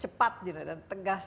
cepat dan tegas